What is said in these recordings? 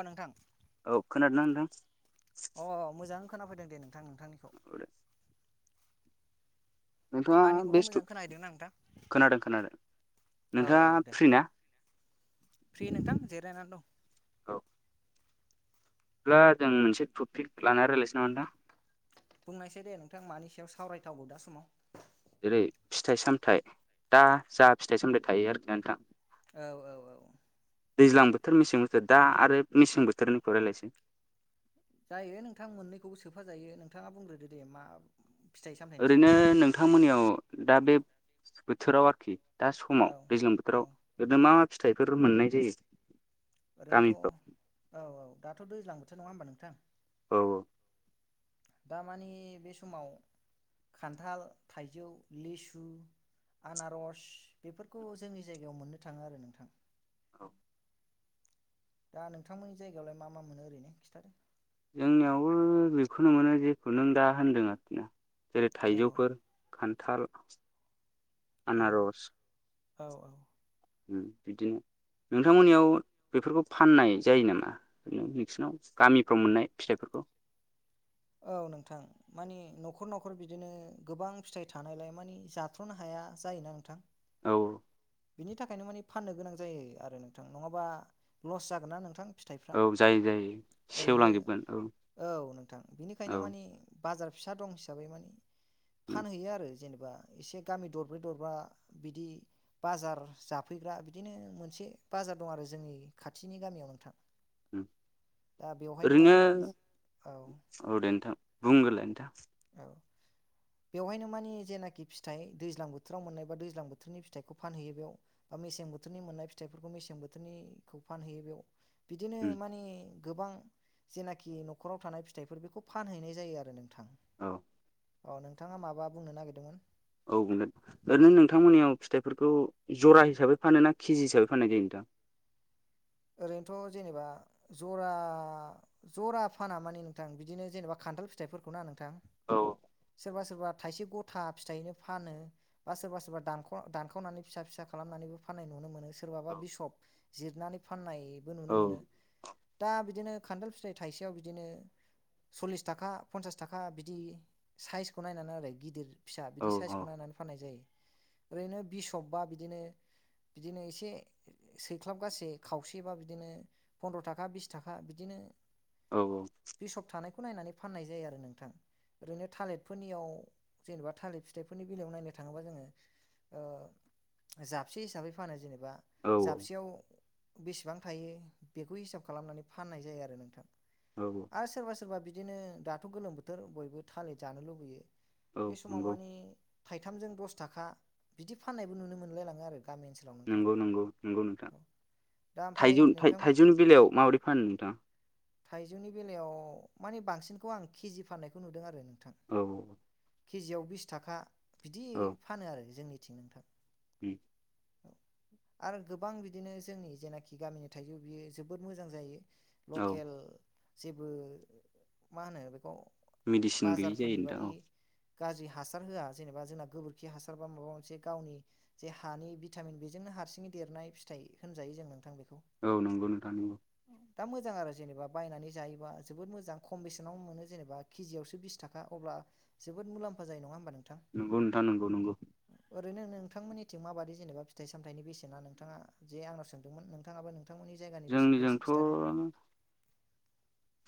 अ नोंथां औ खोनादोंना नोंथां अ मोजां खोनाफैदों दे नोंथां नोंथांनिखौ औ दे नोंथाङा आंनिखौबो बेस्थ' मोजां खोनाहैदोंना नोंथां खोनादों खोनादों औ औ नोंथाङा दे फ्रिना फ्रि नोंथां जिरायनानै दं अब्ला जों मोनसे टपिक लानानै रायल्लायसै नामा नोंथां बुंनायसै दे नोंथां मानि सायाव सावरायथावो दा समाव जेरै फिथाइ सामथायाइ दा जा फिथाइ सामथायाइ थायो आरोखि ना नोंथां औ औ औ दैज्लां बोथोर मेसें बोथोर दा आरो मेसें बोथोरनिखौ रायज्लायसै जायो नोंथां मोननैखौबो सोफाजायो नोंथाङा बुंग्रोदो दे मा फिथाइ सामथाइनि सायाव ओरैनो एसे नोंथांमोननियाव दा बे बोथोराव आरोखि दा समाव औ दैज्लां औ बोथोराव ओरनो मा मा फिथाइफोर मोननाय जायो गामिफ्राव ओरैनोथ' औ औ दाथ' दैज्लां बोथोर नङा होमबा नोंथां औ औ दामानि बे समाव खान्थाल थाइजौ लिसु आनारस बेफोरखौ जोंनि जायगायाव मोननो थाङो आरो नोंथां औ दा नोंथांमोननि जायगायावलाय मा मा मोनो ओरैनो खिन्थादो जोंनियावबो बेखौनो मोनो जेखौ नों दा होन्दों आरोखि ना जेरै औ थाइजौफोर खान्थाल औ औ औ उम बिदिनो नोंथांमोननियाव बेफोरखौ फाननाय जायो नामा ओर नोंसिनाव गामिफ्राव मोननाय फिथाइफोरखौ [inaudible] औ नोंथां मानि न'खर न'खर बिदिनो गोबां फिथाइ थानायलाय मानि जाथ्र'नो हाया जायोना नोंथां औ बिनि थाखायनो मानि फाननो गोनां जायो आरो नोंथां नङाबा लस जागोन ना नोंथां फिथाइफ्रा औ जायो जायो ओरैनो सेवलांजोबगोन औ औ नोंथां बिनिखायनो औ मानि बाजार फिसा दं हिसाबै मानि उम फानहैयो आरो जेनेबा एसे गामि दरब्रै दरबा बिदि बाजार जाफैग्रा बिदिनो मोनसे बाजार दं आरो जोंनि खाथिनि गामियाव नोंथां दा बेवहायनो ओरैनो मानि औ औ दे नोंथां बुंग्रोलाय नोंथां। औ [inaudible] बेवहायनो मानि जेनाखि फिथाइ दैज्लां बोथोराव मोननाय बा दैज्लां बोथोरनि फिथाइखौ फानहैयो बेयाव मेसें बोथोरनि मोननाय फिथाइफोरखौ मेसें बोथोरनिखौ फानहैयो बेयाव बिदिनो उम मानि गोबां जेनाखि न'खराव थानाय फिथाइफोर बेखौ फानहैनाय जायो आरो नोंथां औ अ नोंथाङा माबा बुंनो नागिरदोंमोन? औ बुंगोन ओरैनो नोंथांमोननियाव फिथाइफोरखौ जरा हिसाबै फानो ना केजि हिसाबै फाननाय जायो नोंथां? [inaudible] ओरैनोथ' जेनेबा जरा जरा फाना माने नोंथां बिदिनो जेनेबा खान्थाल फिथाइफोरखौ ना नोंथां औ सोरबा सोरबा थाइसे गथा फिथाइ बो फानो बा सोरबा सोरबा दानख- दानखावनानै फिसा फिसा खालामनानैबो फाननाय नुनो मोनो सोरबाबा औ बिसब जिरनानै फाननाय बो नुनो औ मोनो। दा बिदिनो खान्थाल फिथाइ थाइसेयाव बिदिनो सल्लिस थाखा पन्सास थाखा बिदि साइसखौ नायनानै आरो गिदिर फिसा औ बिदि साइसखौ नायनानै फाननाय जायो ओरैनो बिसब बा बिदिनो बिदिनो एसे सैख्लाबगासे खावसेबा बिदिनो फन्द्र' थाखा बिस थाखा बिदिनो औ बिसब थानायखौ नायनानै फाननाय जायो आरो नोंथां। ओरैनो थालिरफोरनियाव जेनेबा थालिर फिथाइफोरनि बेलायाव नायनो थाङोबा जोङो ओ जाबसे हिसाबै फानो जेने बा औ जाबसेयाव बेसेबां थायो बेखौ हिसाब खालामनानै फाननाय जायो आरो नोंथां। औ औ आरो सोरबा सोरबा बिदिनो दाथ' गोलोम बोथोर बयबो थालिर जानो लुबैयो औ बे समाव नंगौ मानि थाइथामजों दस थाखा बिदि फाननायबो नुनो मोनलायलाङो आरो गामि ओनसोलाव नोंथां नंगौ नंगौ नंगौं नोंथां। औ दा ओमफ्राय थायजौ नोंथां थायजौनि बेलायाव माबोरै फान्नो नोंथाङा? थाइजौनि बेलायाव माने बांसिनखौ आं केजि फाननायखौ नुदों आरो नोंथां औ औ केजियाव बिस थाखा बिदि औ फानो आरो जोंनिथिं नोंथां उम आरो गोबां बिदिनो जोंनि जेनाखि गामिनि थाइजौ बियो जोबोद मोजां जायो। औ लकेल जेबो मा होनो बेखौ मेडिसिन गैयि जायो बाजारफोरनि नोंथां बादि औ। गाज्रि हासार होआ जेनेबा जोंना गोबोरखि हासार बा माबा मोनसे गावनि जे हानि भिटामिन बेजोंनो हारसिङै देरनाय फिथाइ होनजायो जों नोंथां। बेखौ औ नंगौ नोंथां नंगौ दा मोजां आरो जेनेबा बायनानै जायोबा जोबोद मोजांमसेनावनो मोन जेनेबा केजियावसो बिस थाखा अब्ला जो बोद मुलामफा जायो नङा होनबा नंगौ नोंथां नंगौ नंगौ ओरैनो नोंथांमोननिथिं माबादि जेनेबा फिथाइ सामथाइनि बेसेना नोंथाङा जे आंनाव सोंदोंमोन नोंथाङाबो नोंथांमोननि जायगानि बेसेनखौ एसे जोंनिजोंथ' खिन्थादो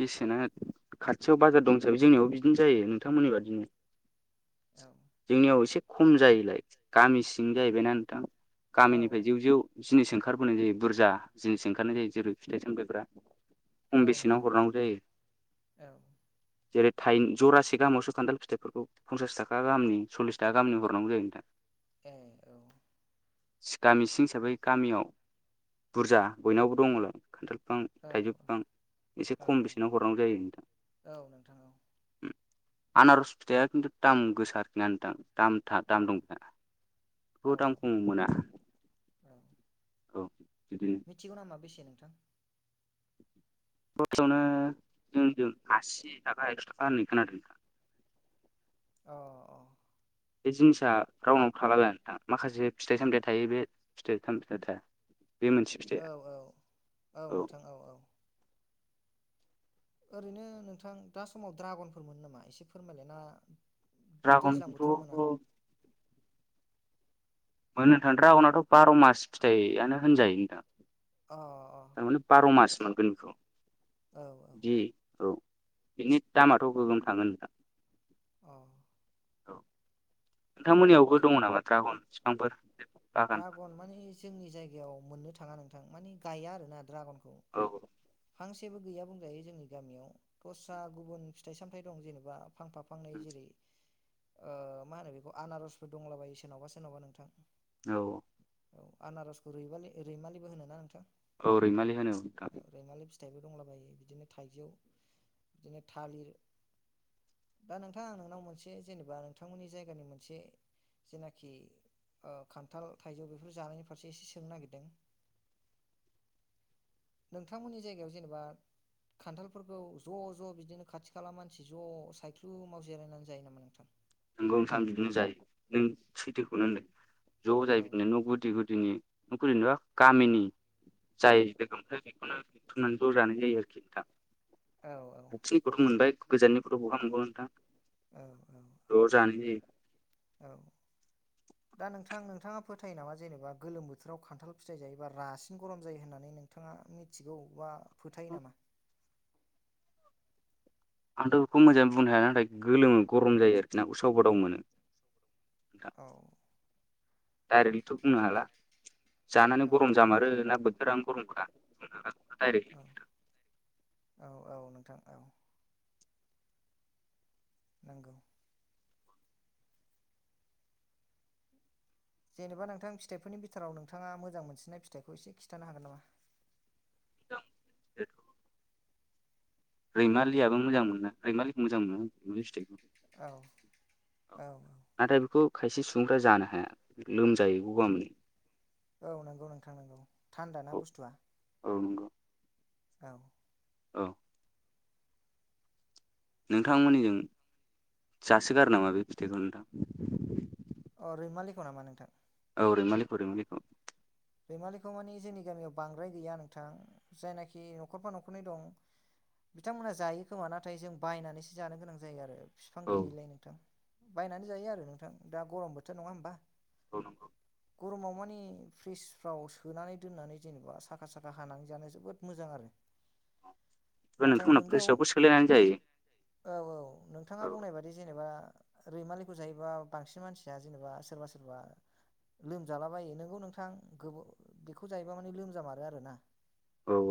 बेसेना खाथियाव बाजार दं हिसाबै जोंनियावबो बिदिनो जायो नोंथांमोननि बादिनो औ जोंनियाव एसे खम जायलाय गामि सिं जाहैबायना नोंथां औ औ गामिनिफ्राय जेव जेव जिनिस ओंखारबोनाय जायो बुरजा जिनिस ओंखारनाय जायो जेरै- फिथाइ सामथायफ्रा खम औ बेसेनाव नोंथां हरनांगौ जायो औ जेरै थाइ जरासे गाहामावसो खान्थाल फिथाइफोरखौ फन्सास थाखा गाहामनि सल्लिस थाखा गाहामनि हरनांगौ जायो नोंथाङा ए औ गामि सिं हिसाबै गामियाव बुरजा बयनावबो दङल खान्थालफिफां औ थाइजौफिफां एसे औ खम बेसेनाव हरनांगौ जायो नोंथां। औ नोंथां औ उम आनारस फथायाया खिथु दाम गोसाो आरोखि नोंथां दामथ औ दाम दंथा औ बे दाम औ खम मोना औ औ बिदिनो मिथिगौ नामा बेसे नों फसआवनो जोंजों आसि थाखा एस' थाखा होननाय खोनादों नों [inaudible] अ अ बे जिनिसा रउनाव थलालोंथां माखासे फिथाइ सामथायाइ थायो बे फिथाइ सामथा थाया बे मोनसे औ फिथाइया औ औ नोंथां औ औ ओरैनो नोंथां दा समाव द्रागनफोर मोनो नामा एसे फोरमायलायना द्रगनखौथ' मोननो थां द्रागनआथ' बार' मास फिथाइयानो होनजायो नोंथां अ थारमाने बार' मास मोनगोन बेखौ औ बिदि औ बिनि दामाथ' गोगोम थाङोना औ नोंथांमोननियावबो दङ नामा ड्रागन बिफांफोर बागान दड्रागन माने जोंनि जायगायाव मोननो थाङा नोंथां मानिे गया आरो ना दड्रागनखौ। औ औ फांसेबो गैया बुंजायो जोंनि गामियाव दस्रा गुबुन फिथाइ सामथायाइ दं जेनेबा फांफा फांनै जेरै मा होनो बेखौ आनारसफोर दंलाबायो सोरनावबा सोरनावबा नोंथां औ औ आनारसखौ रालि रैमालिबो होनो ना नोंथां औ रैमालि होनो औ रैमालि फिथाइबो दंलाबायो बिदिनो थाइजौ बिदिनो थालिर दा नोंथाङां नोंनाव मोनसे जेनेबा नोंथांमोननि जायगानि मोनसे जेनाखि खान खान्थाल थाइजौ बेफोर जानायनि फारसे एसे सोंनो नागिरदों नोंथांमोननि जायगायाव जेनेबा खान्थालफोरखौ ज' ज' बिदिनो खाथि खाला मानसि ज' सायख्लुमाव जिरायनानै जायो नामा नोंथां नोंगौ नोंथां बिदिनो जायो नों सैथोखौनो होनदों ज' औ जायो बिदिनो न' गुदि गुदिनि नख कामिनि जाय ओमफ्राय बेखौनो दिथनानै रानाय जायो आरोखि नोंथां औ औ खाथिनिखौथ' मोनबाय गोजाननिखौथ' बहा मोनबावोन नोंथां औ औ ज' जानाय जायो औ दा नोंथां नोंथाङा फोथायो नामा जेनेबा गोलोम बोथोराव खान्थाल फिथाइ जायो बा रासिन गरम जायो होननानै नोंथाङा मिथिगौ बा फोथायो नामा? आंथ' बेखौ मोजाङै बुंनो हाया नाथाय गोलोमो गरम जायो आरोखि ना उसाव गोादाव मोनो औ डायरेक्टलिथ' बुंनो हाला जानानै औ गरम औ जामारो ना बोथोरा गरमखा औ औ नोंथां औ नंगौ जेनेबा नोंथां फिथाइफोरनि बिथोराव नोंथाङा मोजां मोनसिननाय फिथाइखौ एसे खिन्थानो हागोन नामा [inaudible] रैमालियबो मोजां मोना रैमालिखौ मोजां मोनो आंस्ट्रिक्टआव औ औ औ नाथाय बेखौ खायसे सुबुंफ्रा जानो हाया लोमजायो गगा मोनो औ नंगौ नोंथां नांगौ थान्दा ना बुस्थुआ औ नंगौ औ औ नोंथांमोननिजों जासोगारो नामा बे फिथाइखौ नोंथां अ रैमालिखौ नामा नोंथां? औ रैमालिखौ रैमालिखौ रैमालिखौ मानि जोंनि गामियाव बांद्राय गैया नोंथां जायनाखि न'खरफा न'खरनै दं बिथांमोना जायो खोमा नाथाय जों बायनानैसो जानो गोनां जायो आरो। फिफां औ गैयिलाय नोंथां बायनानै जायो आरो नोंथां दा गरम बोथोर नङा होमबा औ नंगौ गरमाव मानि फ्रिस फाव सोनानै दोननानै जेनेबा साखा साखा हानानै जानो जोबोद मोजां आरो नाथाय नोंथांमोना नोंगौ फ्रेसआवबो सोलायनानै जायो। औ औ नोंथाङा औ बुंनाय बादि जेनेबा। रैमालिखौ जायोबा बांसिन मानसिया जेनेबा सोरबा सोरबा लोमजालाबायो नोंगौ नोंथां गोबाव बेखौ जायोबा माने लोमजामारो आरोना औ औ।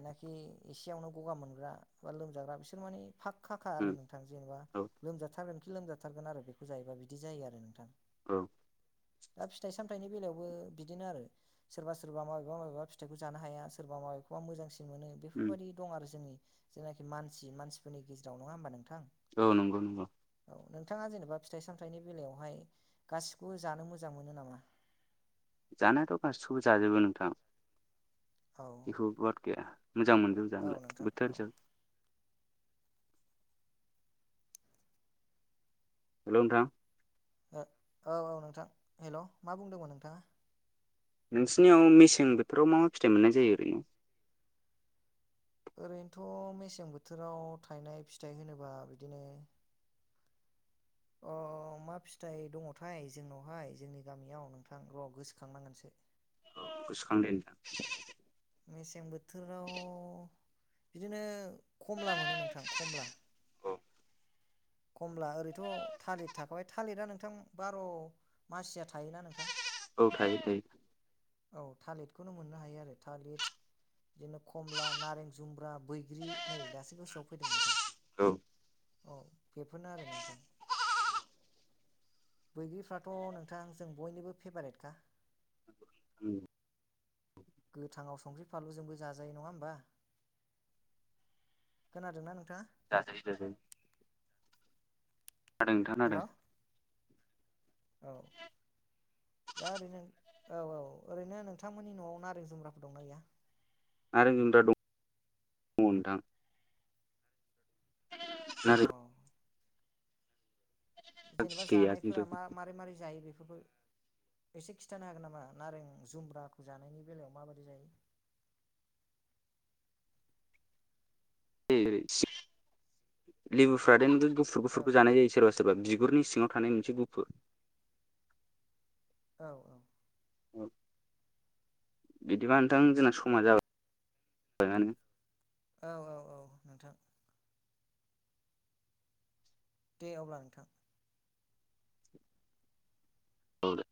जायनाखि एसेयावनो गगा मोनग्रा बा लोमजाग्रा बिसोर माने फा खाखा आरो उम नोंथां जेनेबा औ लोमजाथारगोनखि लोमजाथारगोन आरो बेखौ जायोबा बिदि जायो आरो नोंथां। औ। दा फिथाइ सामथायाइनि बेलायावबो बिदिनो आरो सोरबा सोरबा माबेबा माबेबा फिथाइखौ जानो हाया सोरबा मबेबा मोजांसिन मोनो उम बेफोरबायदि दं आरो जोंनि जायनाखि मानसि मानसिफोरनि गेजेराव नङा होमबा नोंथां? औ नंगौ नंगौ औ नोंथाङा जेनेबा फिथाइ सामथायाइनि बेलायावहाय गासिखौबो जानो मोजां मोनो नामा? जानायाथ' गासिबो जाजोबो नोंथां औ बेखौ बराद गैया मोजां मोनदोंज औ नालाय नोंथां औ बोथोरजों हेलौ नोंथां। औ औ नोंथां हेलौ मा बुंदोंमोन नोंथाङा? नोंसिनियाव मेसें बोथोराव मा मा फिथाइ मोननाय जायो ओरैनो ओरैनोथ' मेसें बोथोराव थायनाय फिथाइ होनोबा बिदिनो अ मा फिथाइ दङथाय जोंनावहाय जोंनि गामियाव नोंथां र' गोसोखांनांगोनसो गोसोखां दे नोंथां मेसें बोथोराव बिदिनो खमला मोनो नोंथां कमला औ खमला ओरैथ' थालिर थाखाबाय थालिरा नोंथां बार' मासिया थायोना नोंथां। औ थायो थायो। औ थालिरखौनो मोननो हायो आरो थालिर बिदिनो खमला नारें जुमब्रा बैग्रि नै दासो गोसोआव फैदों नोंथां। औ औ बेफोरनो आरो नोंथां बैग्रिफ्राथ' नोंथां जों बयनिबो फेभारेटखा औ गोथाङाव संख्रि फानलुजोंबो जाजायो नङा होमबा खोनादोंना नोंथाङा जाजायो जाजायो। खोनादों नोंथां हेल' खोनादों। औ दा ओरैनो औ औ ओरैनो नोंथांमोननि न'आव नारें जुमब्राफोर दंना गैया? आरो जोंदा दं दङ नोंथां नारें औ जेनेबा गैया जानायफोरा खिन्थु मा मारै मारै जायो बेफोरखौ एसे खिन्थानो हागोन नामा नारें जुमब्राखौ जानायनि बेलायाव माबादि जायो? [inaudible] लेबुफ्रा देन गुफुर औ गुफुरखौ जानाय जायो सोरबा सो सोरबा बिगुरनि सिङाव थानाय मोनसे गुफुर औ औ। औ। बिदिबा नोंथां जोंना समा जाबाय जाबाय मानो। औ औ औ नोंथां। दे अब्ला नोंथां। औ दे।